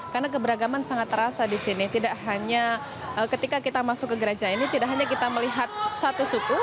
karena keberagaman sangat terasa di sini tidak hanya ketika kita masuk ke gereja ini tidak hanya kita melihat satu suku